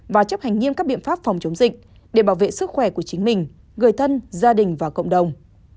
và chấp hành nghiêm các biện pháp phòng chống dịch để bảo vệ sức khỏe của chính mình người thân gia đình và cộng đồng